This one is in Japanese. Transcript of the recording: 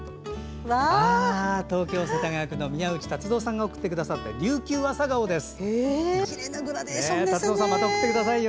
東京・世田谷区の宮内辰蔵さんが送ってくださった琉球アサガオです。